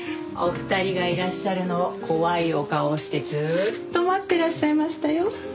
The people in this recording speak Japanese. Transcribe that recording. お二人がいらっしゃるのを怖いお顔をしてずーっと待っていらっしゃいましたよ。